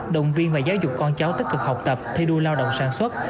động viên và giáo dục con cháu tích cực học tập thi đua lao động sản xuất